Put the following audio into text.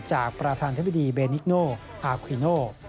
จากประธานธิบดีเบนิกโนอาควิโน